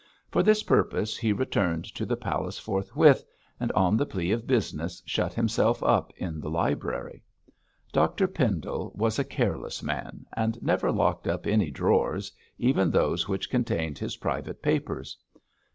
For this purpose he returned to the palace forthwith, and on the plea of business, shut himself up in the library. Dr Pendle was a careless man, and never locked up any drawers, even those which contained his private papers.